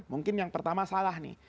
mungkin yang pertama salah nih